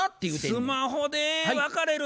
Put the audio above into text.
スマホで別れる。